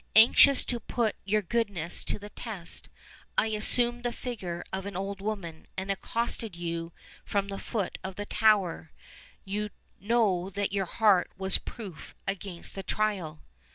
Anxious to put your goodness to the test, I assumed the figure of an old woman, and accosted you from the foot of the tower: you know that your heart was proof against the trial."